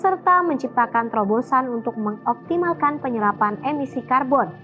serta menciptakan terobosan untuk mengoptimalkan penyerapan emisi karbon